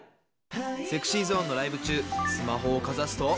ＳｅｘｙＺｏｎｅのライブ中、スマホをかざすと。